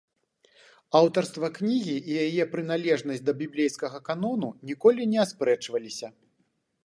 Аўтарства кнігі і яе прыналежнасць да біблейскага канону ніколі не аспрэчваліся.